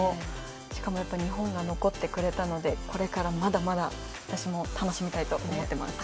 しかも日本が残ってくれたのでこれからまだまだ私も楽しみたいと思っています。